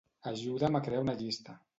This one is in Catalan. Ajuda'm a crear una llista.